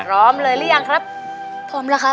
พร้อมเลยหรือยังครับพร้อมแล้วครับ